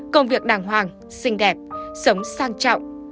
công việc đàng hoàng xinh đẹp sống sang trọng